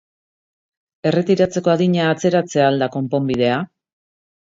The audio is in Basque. Erretiratzeko adina atzeratzea al da konponbidea?